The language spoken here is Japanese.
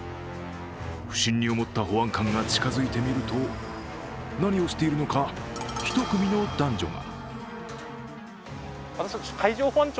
不審に思った保安官が近づいてみると何をしているのか１組の男女が。